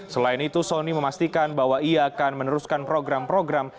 selain itu sony memastikan bahwa ia akan meneruskan program program